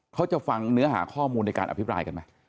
เขาจะฟังเนื้อหาข้อมูลในการอภิปรายกันไหม